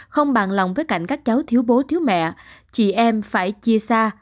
không bàn lòng với cảnh các cháu thiếu bố thiếu mẹ chị em phải chia xa